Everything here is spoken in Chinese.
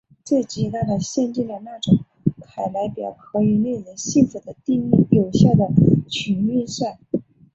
这极大的限定了那种凯莱表可以令人信服的定义有效的群运算。